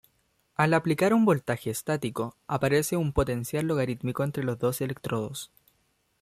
Al aplicar un voltaje estático, aparece un potencial logarítmico entre los dos electrodos.